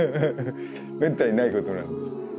めったにないことなんで。